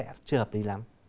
chưa hợp lý lắm